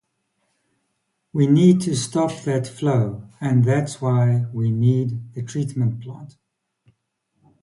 We need to stop that flow, and that's why we need the treatment plant.